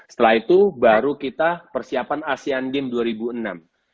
setelah itu baru kita persiapan asean games dua ribu enam